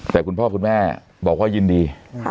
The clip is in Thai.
แต่คุณพ่อคุณแม่บอกว่ายินดี